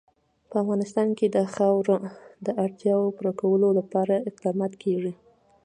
په افغانستان کې د خاوره د اړتیاوو پوره کولو لپاره اقدامات کېږي.